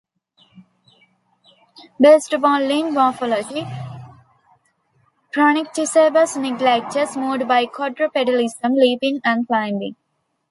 Based upon limb morphology, "Pronycticebus neglectus" moved by quadrupedalism, leaping, and climbing.